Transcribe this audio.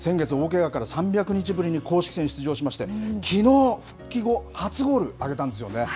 先月、大けがから３００日ぶりに公式戦出場しまして、きのう、復帰後初ゴール挙げたんですよね。